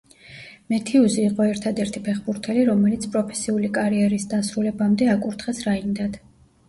მეთიუზი იყო ერთადერთი ფეხბურთელი, რომელიც პროფესიული კარიერის დასრულებამდე აკურთხეს რაინდად.